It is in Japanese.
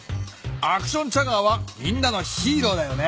アクションチャガーはみんなのヒーローだよね。